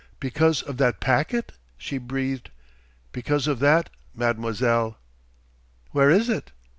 "Because of that packet?" she breathed. "Because of that, mademoiselle." "Where is it?"